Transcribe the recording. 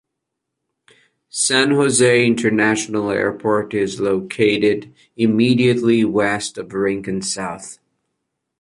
San Jose International Airport is located immediately west of Rincon South.